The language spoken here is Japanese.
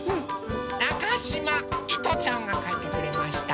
なかしまいとちゃんがかいてくれました。